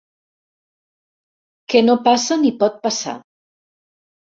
Que no passa ni pot passar.